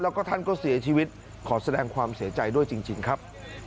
แล้วก็ท่านก็เสียชีวิตขอแสดงความเสียใจด้วยจริงครับ